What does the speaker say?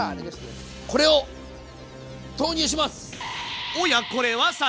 これを投入します！